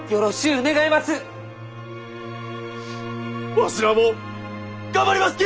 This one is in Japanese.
わしらも頑張りますき！